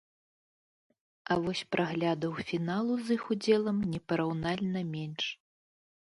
А вось праглядаў фіналу з іх удзелам непараўнальна менш.